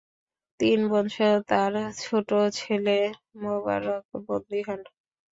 তিন বোনসহ তার ছোট ছেলে মুবারক বন্দী হন।